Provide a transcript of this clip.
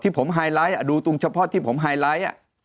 ผมไฮไลท์ดูตรงเฉพาะที่ผมไฮไลท์